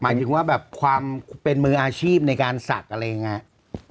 ถึงว่าแบบความเป็นมืออาชีพในการศักดิ์อะไรอย่างนี้